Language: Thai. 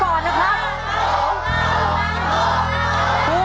ถูกหรือไม่ถูก